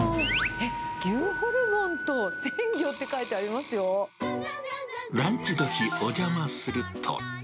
えっ、牛ホルモンと鮮魚って書いランチ時、お邪魔すると。